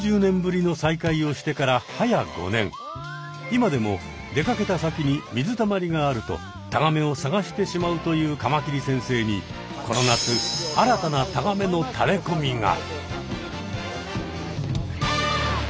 今でも出かけた先に水たまりがあるとタガメを探してしまうというカマキリ先生にこの夏新たなタガメのタレコミが！